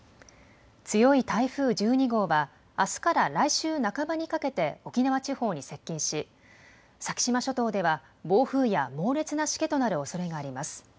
強い台風１２号はあすから来週半ばにかけて沖縄地方に接近し先島諸島では暴風や猛烈なしけとなるおそれがあります。